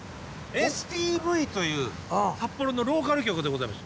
ＳＴＶという札幌のローカル局でございます。